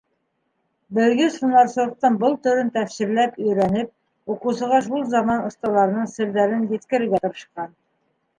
Белгес һунарсылыҡтың был төрөн тәфсирләп өйрәнеп, уҡыусыға шул заман оҫталарының серҙәрен еткерергә тырышҡан.